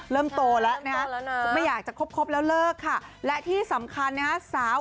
เริ่มโตแล้วนะครับไม่อยากจะครบแล้วเลิกค่ะและที่สำคัญนะครับ